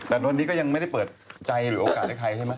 แต่วันนี้ก็ยังไม่ได้เปิดใจหรือโอกาสให้ใครใช่ไหม